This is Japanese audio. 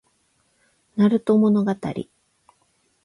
なると物語